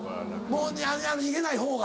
もう逃げない方が。